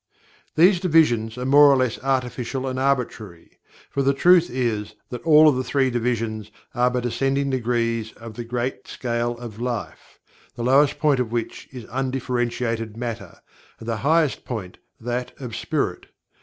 These divisions are more or less artificial and arbitrary, for the truth is that all of the three divisions are but ascending degrees of the great scale of Life, the lowest point of which is undifferentiated Matter, and the highest point that of Spirit.